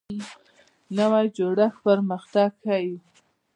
نوی جوړښت پرمختګ ښیي